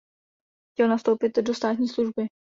Chtěl nastoupit do státní služby.